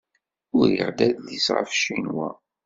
Uriɣ-d adlis ɣef Ccinwa.